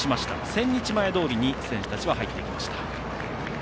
千日前通に選手たちは入ってきました。